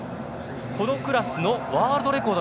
このクラスのワールドレコード。